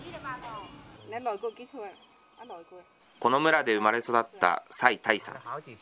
この村で生まれ育った蔡多威さん。